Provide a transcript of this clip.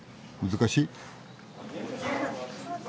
難しい？